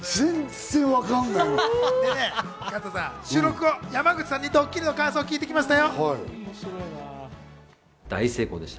加藤さん収録後、山口さんにドッキリの感想を聞いてきましたよ。